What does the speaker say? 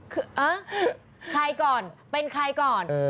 คือเออใครก่อนเป็นใครก่อน